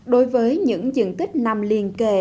đối với những diện tích nằm liền kề